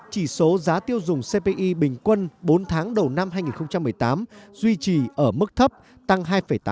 chỉ số giá tiêu dùng cpi bình quân bốn tháng đầu năm hai nghìn một mươi tám duy trì ở mức thấp tăng hai tám